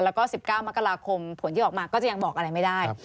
แล้วก็๑๙มกราคมผลที่ออกมาก็จะยังบอกอะไรไม่ได้